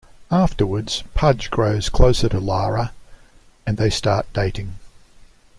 Afterwards, Pudge grows closer to Lara, and they start dating.